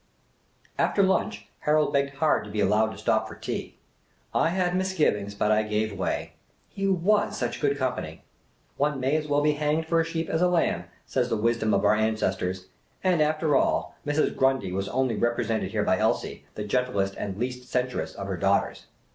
After lunch, Harold begged hard to be allowed to stop for tea. I had misgivings, but I gave way — he was such good company. One may as well be hanged for a sheep as a lamb, says the wisdom of our ancestors; and, after all, Mrs. Grundy was only represented here by Elsie, the gentlest and least censorious of her daughters.